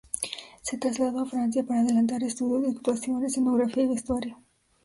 Se trasladó a Francia para adelantar estudios de actuación, escenografía y vestuario.